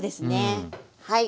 はい。